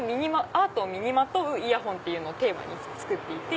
アートを身にまとうイヤホンをテーマに作っていて。